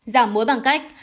giảm muối bằng cách